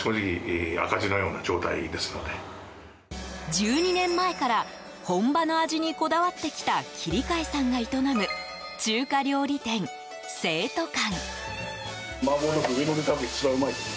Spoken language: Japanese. １２年前から、本場の味にこだわってきた切替さんが営む中華料理店、成都館。